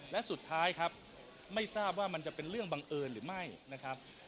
และสุดท้ายครับไม่ทราบว่ามันจะเป็นเรื่องบังเอิญหรือไม่นะครับ